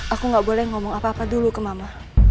aku gak boleh ngomong apa apa dulu ke mama